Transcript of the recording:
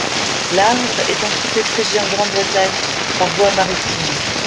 L'arbre est ensuite expédié en Grande-Bretagne par voie maritime.